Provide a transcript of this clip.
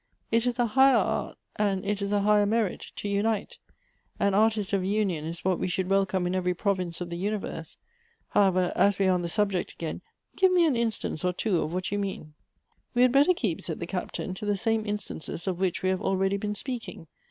It is a higher art, and it is a higher merit, to unite. An artist of union, is what wo should welcome in every province of the universe. However, as we are on the subject again, give me an instance or two of what you mean." " We had better keep," said the Captain, " to the same instances of which we have already been speaking.